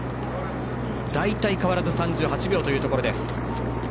大体変わらず３８秒というところ。